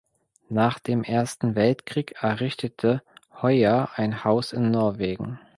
Nach dem Ersten Weltkrieg errichtete Hoyer ein Haus in Norwegen.